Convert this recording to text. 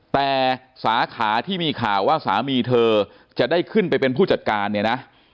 แต่สาขาที่มีข่าวว่าสามีเธอจะได้ขึ้นไปเป็นผู้จัดการเนี่ยนะ